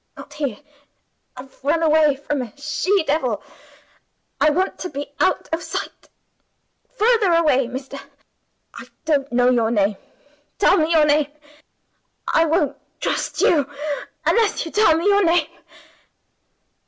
"Not here! I've run away from a she devil; I want to be out of sight. Further away, Mister I don't know your name. Tell me your name; I won't trust you, unless you tell me your name!"